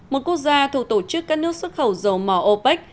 một quốc gia thuộc tổ chức các nước xuất khẩu dầu mỏ opec